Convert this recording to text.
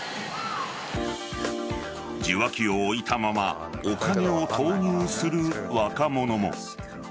受話器を置いたままお金を投入する若者も。